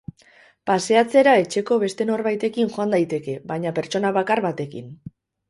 Paseatzera etxeko beste norbaitekin joan daiteke, baina pertsona bakar batekin.